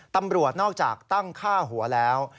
ตำรวจนอกจากตั้งค่าหัวแล้ว